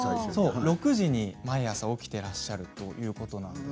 ６時に毎朝、起きていらっしゃるということです。